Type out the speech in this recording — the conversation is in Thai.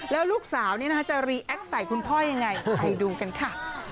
แล้วลูกสาวเนี่ยนะคะจะรีเอ็กซ์ใส่คุณพ่อยังไงไปดูกันค่ะ